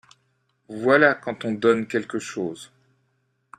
Voilà quand on donne quelque chose.